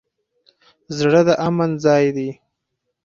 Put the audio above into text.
زړه د امن ځای دی.